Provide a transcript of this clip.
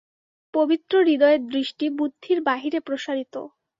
পবিত্র হৃদয়ের দৃষ্টি বুদ্ধির বাহিরে প্রসারিত।